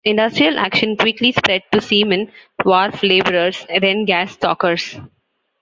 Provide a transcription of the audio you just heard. Industrial action quickly spread to seamen, wharf labourers, then gas stockers.